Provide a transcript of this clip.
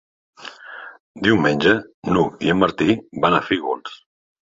Diumenge n'Hug i en Martí van a Fígols.